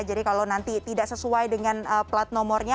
jadi kalau nanti tidak sesuai dengan plat nomornya